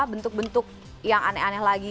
bentuk bentuk yang aneh aneh lagi